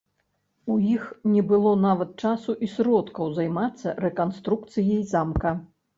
У іх не было нават часу і сродкаў займацца рэканструкцыяй замка.